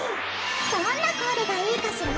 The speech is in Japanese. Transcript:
どんなコーデがいいかしら？